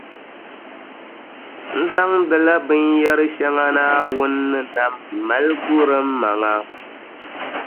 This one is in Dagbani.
N zaŋdila binyɛrʼ shɛŋa Naawuni ni nam m-mali guri m maŋa.